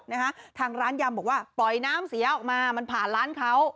นะคะทางร้านยำบอกว่าปล่อยน้ำเสียออกมามันผ่านร้านเขา